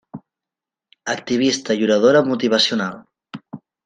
Activista i oradora motivacional.